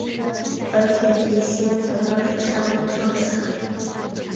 而铁笛仙曾经是杀无生的师父。